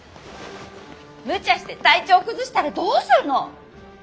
むちゃして体調崩したらどうするの！